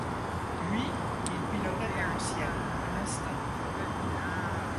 Lui, il pilotait à l'ancienne, à l'instinct.